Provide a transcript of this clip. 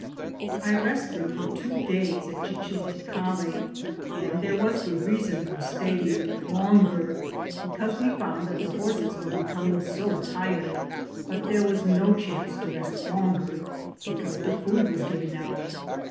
I rested for two days at Chichil ticale, and there was good reason for staying • longer, because we found that the horses \ were becoming so tired ; but there was no ; chance to rest longer, because the food was I giving out.